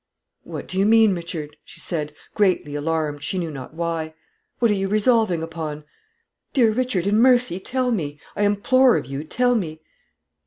"What do you mean, Richard?" she said, greatly alarmed, she knew not why. "What are you resolving upon? Dear Richard, in mercy tell me. I implore of you, tell me."